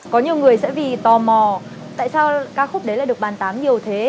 có nhiều người sẽ vì tò mò tại sao ca khúc đấy lại được bàn tán nhiều thế